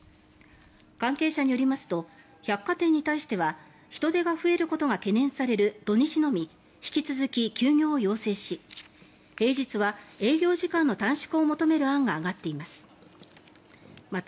関係者によりますと百貨店に対しては人出が増えることが懸念される土日のみ引き続き休業を要請し平日は営業時間の短縮を求める案が上がっています。